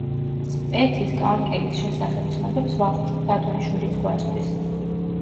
სპეთის კანკელის შესახებ ცნობებს ვახუშტი ბატონიშვილიც გვაწვდის.